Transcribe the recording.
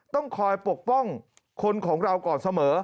ต้องคอยปกป้องคนของเราก่อนเสมอ